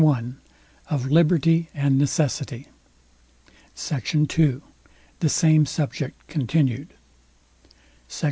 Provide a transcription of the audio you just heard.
I OF LIBERTY AND NECESSITY SECT. II THE SAME SUBJECT CONTINUED SECT.